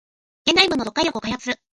現代文の読解力を開発する